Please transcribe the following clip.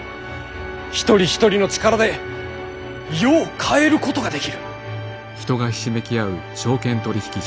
一人一人の力で世を変えることができる。